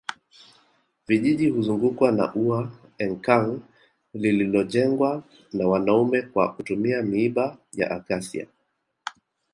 Vijiji huzungukwa na ua Enkang lililojengwa na wanaume kwa kutumia miiba ya acacia